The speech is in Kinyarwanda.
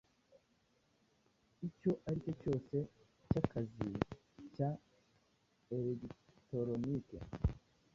icyo aricyo cyose cyakazi cya elegitoronike